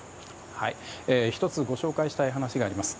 １つご紹介したい話があります。